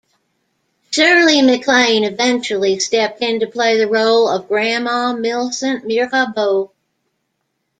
Shirley MacLaine eventually stepped in to play the role of "Grandma Millicent Mirabeau".